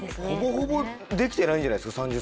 ほぼほぼできてないんじゃないですか。